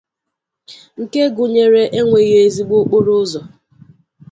nke gụnyere enweghị ezigbo okporoụzọ